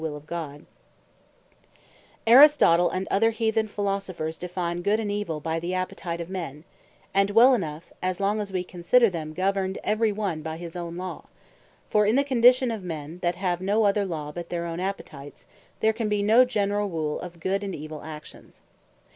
Private Appetite The Rule Of Publique Good: Aristotle, and other Heathen Philosophers define Good, and Evill, by the Appetite of men; and well enough, as long as we consider them governed every one by his own Law: For in the condition of men that have no other Law but their own Appetites, there can be no generall Rule of Good, and Evill Actions.